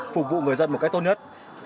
phục vụ người dân một cách tốt nhất